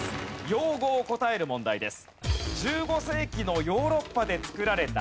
用語を答える問題です。